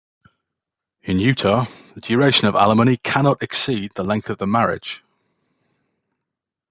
In Utah, the duration of alimony cannot exceed the length of the marriage.